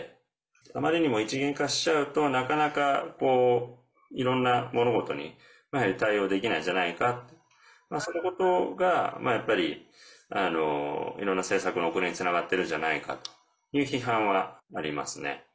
あまりにも一元化しちゃうとなかなか、いろいろな物事に対応できないじゃないかそのことがいろんな政策の遅れにつながっているんじゃないかという批判はありますね。